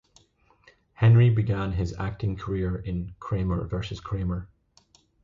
Henry began his acting career in "Kramer versus Kramer".